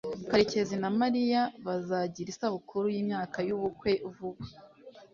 karekezi na mariya bazagira isabukuru yimyaka yubukwe vuba